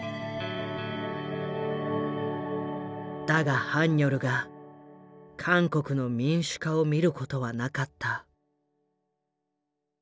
だがハンニョルが韓国の民主化を見ることはなかった。